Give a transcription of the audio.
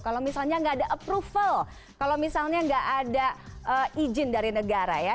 kalau misalnya nggak ada approval kalau misalnya nggak ada izin dari negara ya